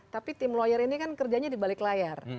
tapi tim lawyer ini kan kerjanya di balik layar